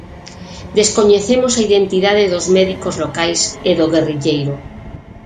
Descoñecemos a identidade dos médicos locais e do guerrilleiro.